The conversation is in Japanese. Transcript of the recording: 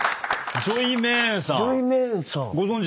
ジョイメーンさん。